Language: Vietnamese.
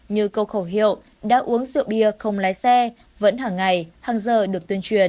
như câu khẩu hiệu đã uống rượu bia không lái xe vẫn hàng ngày hàng giờ được tuyên truyền